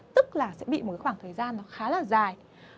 tức là sẽ bị một khoảng thời gian nó khá là dài